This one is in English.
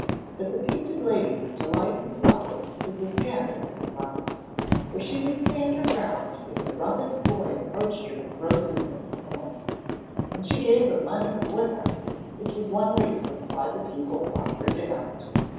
But the Painted Lady's delight in flowers was a scandal in Thrums, where she would stand her ground if the roughest boy approached her with roses in his hand, and she gave money for them, which was one reason why the people thought her daft.